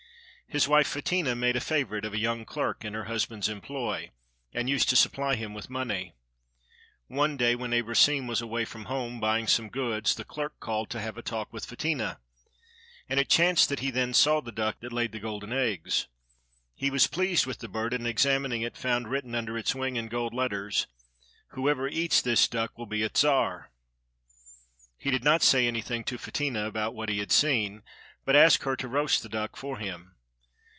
His wife Fetinia made a favourite of a young clerk in her husband's employ, and used to supply him with money. One day when Abrosim was away from home, buying some goods, the clerk called to have a talk with Fetinia, and it chanced that he then saw the duck that laid the golden eggs. He was pleased with the bird, and, examining it, found written under its wing in gold letters— "Whoever eats this duck will be a Czar." He did not say anything to Fetinia about what he had seen, but asked her to roast the duck for him.